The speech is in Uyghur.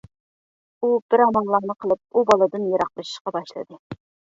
ئۇ بىر ئاماللارنى قىلىپ ئۇ بالىدىن يىراقلىشىشقا باشلىدى.